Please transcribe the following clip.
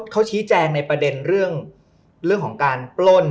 เขาชี้แจงในประเด็นเรื่องของการปล้น